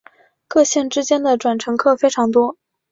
各线之间的转乘客非常多。